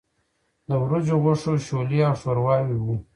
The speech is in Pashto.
د وریجو، غوښو، شولې او ښورواوې وو.